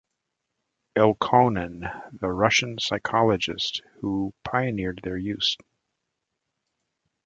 Elkonin, the Russian psychologist who pioneered their use.